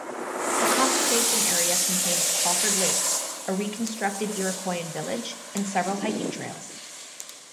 The conservation area contains Crawford Lake, a reconstructed Iroquoian village, and several hiking trails.